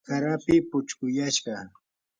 hara api puchquyashqa.